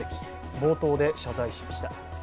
冒頭で謝罪しました。